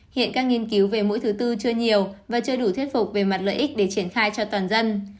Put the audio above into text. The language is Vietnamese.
hiện các nghiên cứu về mũi thứ tư chưa nhiều và chưa đủ thuyết phục về mặt lợi ích để triển khai cho toàn dân